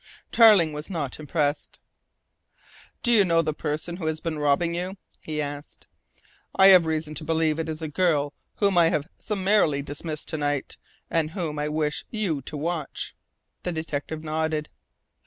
Tarling was not impressed. "Do you know the person who has been robbing you?" he asked. "I have reason to believe it is a girl whom I have summarily dismissed to night, and whom I wish you to watch." The detective nodded.